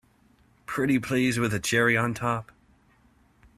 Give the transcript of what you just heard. Pretty please with a cherry on top!